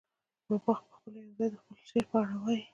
بابا پخپله یو ځای د خپل شعر په اړه وايي.